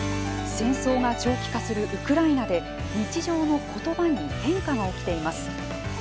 戦争が長期化するウクライナで日常の言葉に変化が起きています。